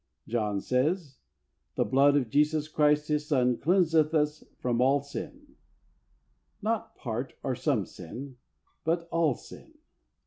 John says, "The blood of Jesus Christ His Son cleanseth us from all sin," not part or some sin, but "all sin."